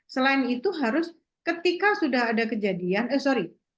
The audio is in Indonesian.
selain itu harus ketika sudah ada kejadian eh sorry